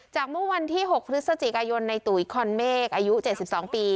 จากเมื่อวันที่หกฤษจิกอายนในตุ๋ยขอนเมกไอ้๗๒ปี